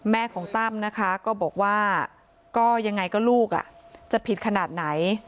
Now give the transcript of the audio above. แม่ของตั้มนะคะก็บอกว่าก็ยังไงก็ลูกจะผิดขนาดไหน